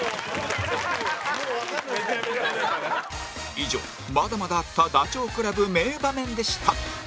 以上まだまだあったダチョウ倶楽部名場面でした